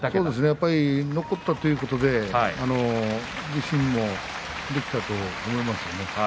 やっぱり残ったということで自信になったと思いますよ。